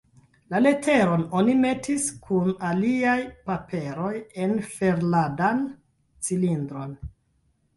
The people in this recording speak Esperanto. La leteron oni metis kun aliaj paperoj en ferladan cilindron.